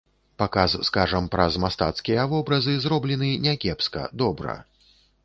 Паказ, скажам, праз мастацкія вобразы зроблены не кепска, добра.